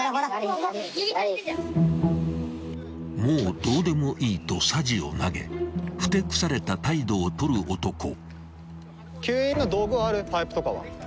［もうどうでもいいとさじを投げふてくされた態度を取る男］